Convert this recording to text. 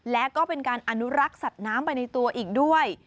และก็เป็นการอนุรักษ์สัตว์น้ำไปในตัวอีกด้วย